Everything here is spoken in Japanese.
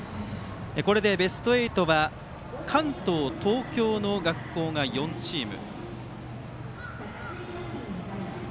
これでベスト８は関東、東京の学校が４チーム。